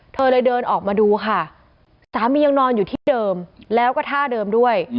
เธอเลยเดินออกมาดูค่ะสามียังนอนอยู่ที่เดิมแล้วก็ท่าเดิมด้วย